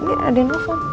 ini ada yang nelfon